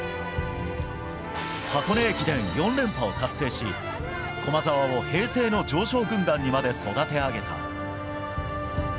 箱根駅伝４連覇を達成し、駒澤を平成の常勝軍団にまで育て上げた。